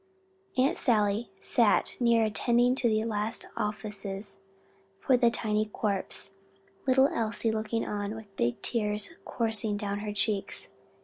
Aunt Sally sat near attending to the last offices for the tiny corpse, little Elsie looking on, with big tears coursing down her cheeks.